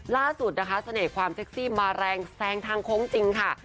ล่าสุดนะคะเสน่ห์ความเซ็กซี่มาแรงแซงทางโค้งจริงค่ะ